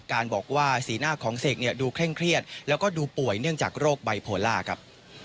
การบอกว่าสีหน้าของเสกเนี่ยดูเคร่งเครียดแล้วก็ดูป่วยเนื่องจากโรคไบโพล่าครับ